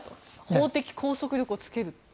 法的拘束力をつける。